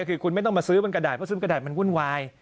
คือคุณไม่ต้องมาซื้อบนกระดาษเพราะซุปกระดาษมันวุ่นวาย